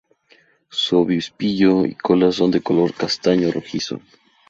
Su obispillo y cola son de color castaño rojizo.